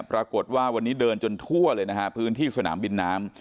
ปรากฏว่าวันนี้เดินจนทั่วเลยนะฮะพื้นที่สนามบินน้ำ